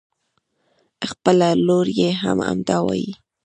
خپله لور يې هم همدا وايي.